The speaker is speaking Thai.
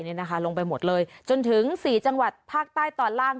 นี่นะคะลงไปหมดเลยจนถึง๔จังหวัดภาคใต้ตอนล่าง